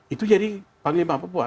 itu jadi panglima papua